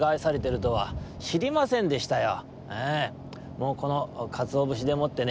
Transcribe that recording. もうこのかつおぶしでもってね